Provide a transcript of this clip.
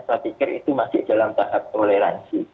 saya pikir itu masih dalam tahap toleransi